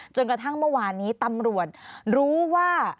จนกระทั่งเมื่อวานนี้ตำรวจรู้ว่า